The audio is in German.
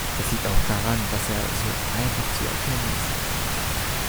Das liegt auch daran, dass er so einfach zu erkennen ist.